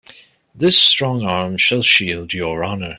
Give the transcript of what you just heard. This strong arm shall shield your honor.